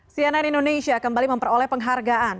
cnn indonesia kembali memperoleh penghargaan